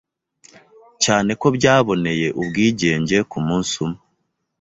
Cyane ko byaboneye ubwigenge ku munsi umwe